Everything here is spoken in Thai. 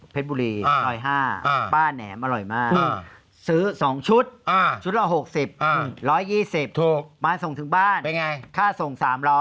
บุรีซอย๕ป้าแหนมอร่อยมากซื้อ๒ชุดชุดละ๖๐๑๒๐ถูกมาส่งถึงบ้านค่าส่ง๓๐๐